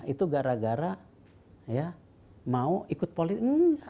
itu gara gara mau ikut politik enggak